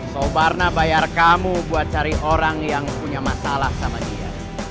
sobarna bayar kamu buat cari orang yang punya masalah sama dia